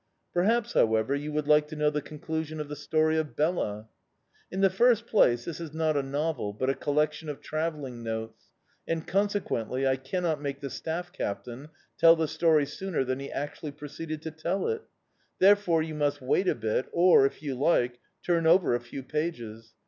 Perhaps, however, you would like to know the conclusion of the story of Bela? In the first place, this is not a novel, but a collection of travelling notes, and, consequently, I cannot make the staff captain tell the story sooner than he actually proceeded to tell it. Therefore, you must wait a bit, or, if you like, turn over a few pages.